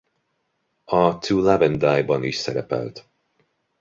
A To Love and Die-ban is szerepelt.